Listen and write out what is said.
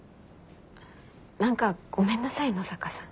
何かごめんなさい野坂さん。